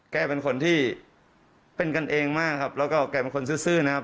แกเป็นคนที่เป็นกันเองมากครับแล้วก็แกเป็นคนซื้อนะครับ